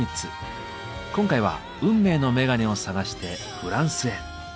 今回は運命のメガネを探してフランスへ。